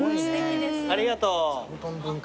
ありがとう。